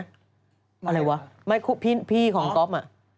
อะไรวะพี่ของก๊อบ